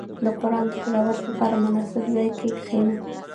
• د قران د تلاوت لپاره، مناسب ځای کې کښېنه.